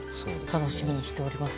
楽しみにしております。